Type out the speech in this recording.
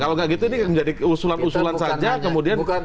kalau nggak gitu ini jadi usulan usulan saja kemudian